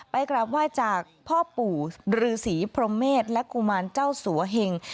กราบไหว้จากพ่อปู่ฤษีพรหมเมษและกุมารเจ้าสัวเหง